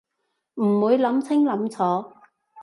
唔會諗清諗楚